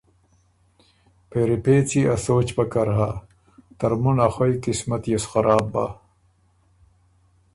پېری پېڅ يې ا سوچ پکر هۀ، ترمُن ا خوئ قسمت يې سو خراب بَۀ،